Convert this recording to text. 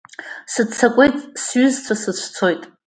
Сыццакуеит, сҩызцәа сыцәцоит!